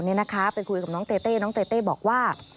นี่นะคะไปคุยกับน้องเต้เต้น้องเต้เต้บอกว่า